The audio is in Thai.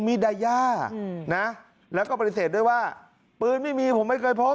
มีดายานะแล้วก็ปฏิเสธด้วยว่าปืนไม่มีผมไม่เคยพบ